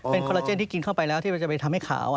เป็นคอลลาเจนที่กินเข้าไปแล้วที่มันจะไปทำให้ขาว